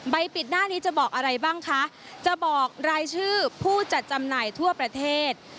ปิดหน้านี้จะบอกอะไรบ้างคะจะบอกรายชื่อผู้จัดจำหน่ายทั่วประเทศ